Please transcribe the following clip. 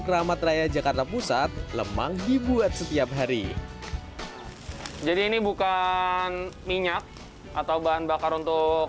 keramat raya jakarta pusat lemang dibuat setiap hari jadi ini bukan minyak atau bahan bakar untuk